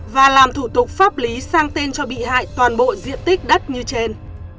và làm thủ tục pháp lý sang tên cho bị hại toàn bộ diện tích đất như trên